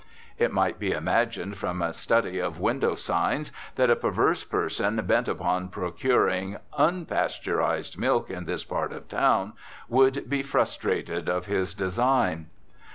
It might be imagined from a study of window signs that a perverse person bent upon procuring un "pasteurized" milk in this part of town would be frustrated of his design.